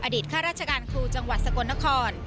ข้าราชการครูจังหวัดสกลนคร